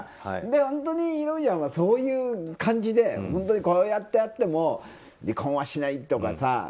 本当に、そういう感じで本当にこうやってあっても離婚はしないとかさ。